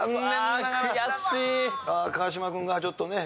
ああ川島君がちょっとね。